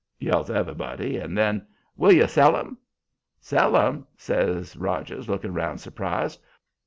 yells everybody. And then: "Will you sell 'em?" "Sell 'em?" says Rogers, looking round surprised.